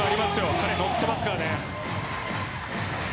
彼、乗ってますからね。